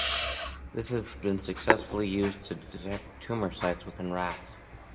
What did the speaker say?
This has been successfully used to detect tumor sites within rats.